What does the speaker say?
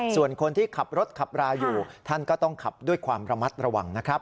ส่วนคนที่ขับรถขับราอยู่ท่านก็ต้องขับด้วยความระมัดระวังนะครับ